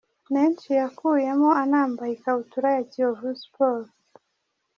menshi yakuyemo anambaye ikabutura ya Kiyovu Sports.